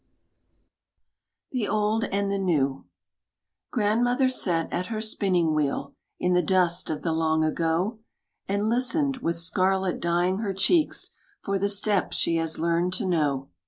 The Old and the New Grandmother sat at her spinning wheel In the dust of the long ago, And listened, with scarlet dyeing her cheeks, For the step she had learned to know.